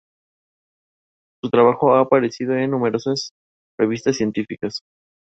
Fue la única mujer que formó parte del cuartel general de Francisco Franco.